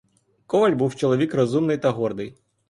Коваль був чоловік розумний та гордий.